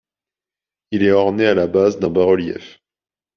Il est orné à la base d'un bas-relief.